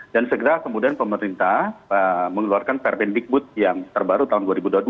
dan segera kemudian pemerintah mengeluarkan perbendikbud yang terbaru tahun dua ribu dua puluh dua